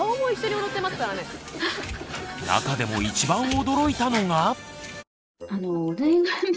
中でも一番驚いたのが。